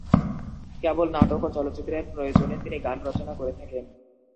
কেবল নাটক ও চলচ্চিত্রের প্রয়োজনে তিনি গান রচনা করে থাকেন।